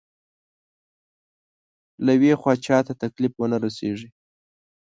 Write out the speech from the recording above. له يوې خوا چاته تکليف ونه رسېږي.